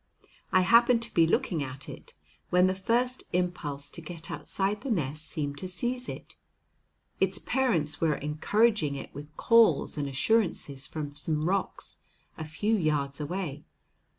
I happened to be looking at it when the first impulse to get outside the nest seemed to seize it. Its parents were encouraging it with calls and assurances from some rocks a few yards away.